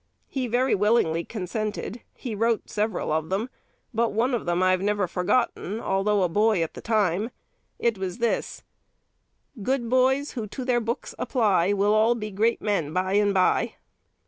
He very willingly consented. He wrote several of them, but one of them I have never forgotten, although a boy at the time. It was this: 'Good boys who to their books apply Will all be great men by and by.'"